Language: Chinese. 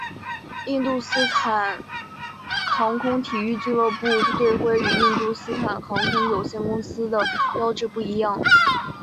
印度斯坦航空体育俱乐部队徽与印度斯坦航空有限公司的标志不一样。